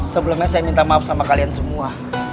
sebelumnya saya minta maaf sama kalian semua